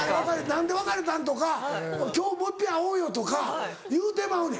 「何で別れたん？」とか「今日もう一遍会おうよ」とか言うてまうねん。